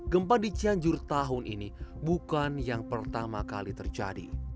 gempa di cianjur tahun ini bukan yang pertama kali terjadi